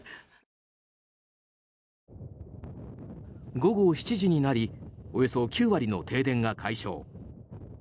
午後７時になりおよそ９割の停電が解消。